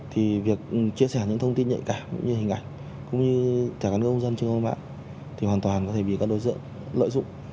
thì việc chia sẻ những thông tin nhạy cả cũng như hình ảnh cũng như cả các ngôi dân trên khuôn mặt thì hoàn toàn có thể bị các đối tượng lợi dụng